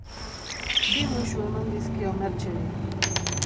Bi muxu eman dizkio Mertxeri.